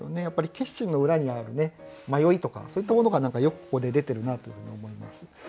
やっぱり決心の裏にある迷いとかそういったものが何かよくここで出てるなというふうに思います。